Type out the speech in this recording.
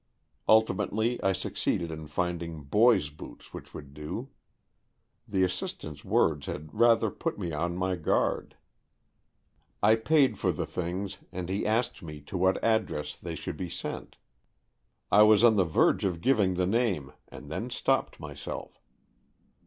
Ultimately I succeeded in finding boys' boots which would do. The assistant's words had rather put me on my guard. I paid for 194 AN EXCHANGE OF SOULS the things, and he asked me to what address they should be sent. I was on the verge of giving the name, and then stopped myself.